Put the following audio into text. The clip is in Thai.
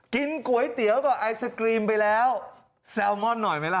กินก๋วยเตี๋ยวกับไอศกรีมไปแล้วแซลมอนหน่อยไหมล่ะ